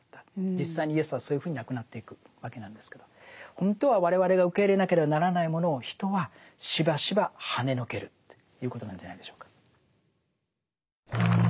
実際にイエスはそういうふうに亡くなっていくわけなんですけど本当は我々が受け入れなければならないものを人はしばしばはねのけるということなんじゃないでしょうか。